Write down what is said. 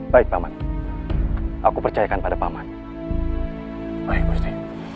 baik paman aku percayakan pada paman baik